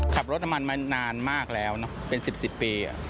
น้ำมันมานานมากแล้วเป็น๑๐ปี